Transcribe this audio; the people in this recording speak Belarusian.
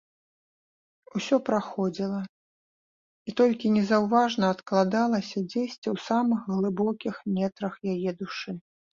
Усё праходзіла і толькі незаўважна адкладалася дзесьці ў самых глыбокіх нетрах яе душы.